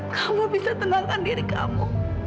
kamu bisa tenangkan diri kamu